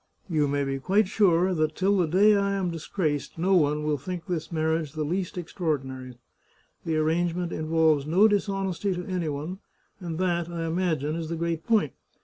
You may be quite sure that till the day I am disgraced no one will think this marriage the least ex traordinary. The arrangement involves no dishonesty to III The Chartreuse of Parma any one, and that, I imagine, is the great point.